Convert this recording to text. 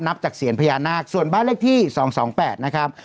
นับจากเสียญพญานาคส่วนบ้านเลขที่๒๒๘นะครับ